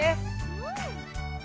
うん。